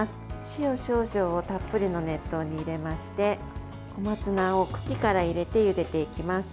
塩少々をたっぷりの熱湯に入れまして小松菜を茎から入れてゆでていきます。